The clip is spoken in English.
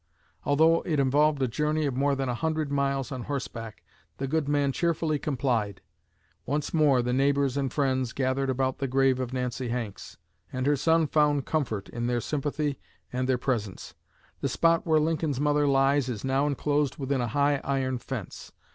Although it involved a journey of more than a hundred miles on horseback, the good man cheerfully complied. Once more the neighbors and friends gathered about the grave of Nancy Hanks, and her son found comfort in their sympathy and their presence. The spot where Lincoln's mother lies is now enclosed within a high iron fence.